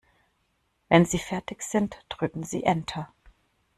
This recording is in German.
Wenn Sie fertig sind, drücken Sie Enter.